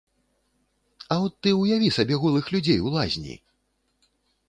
А от ты ўяві сабе голых людзей у лазні?